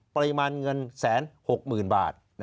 ปริมาณเงิน๑๖๐๐๐บาท